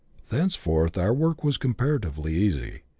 Thenceforth our work was comparatively easy.